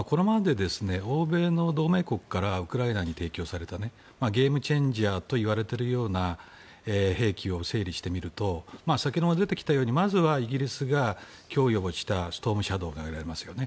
欧米の同盟国からウクライナに提供されたゲームチェンジャーと言われているような兵器を整理してみると先ほども出てきたようにまずはイギリスが供与したストームシャドーがありますよね。